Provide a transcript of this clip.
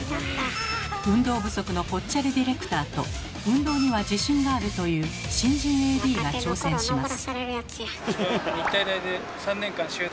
運動不足のぽっちゃりディレクターと運動には自信があるという新人ＡＤが挑戦します。